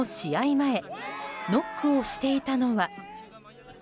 前ノックをしていたのは。